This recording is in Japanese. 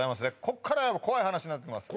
こっから怖い話になってきます